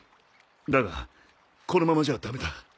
だがこのままじゃダメだ。